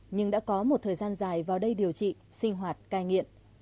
nhưng đã có một thời gian dài vào đây điều trị sinh hoạt cai nghiện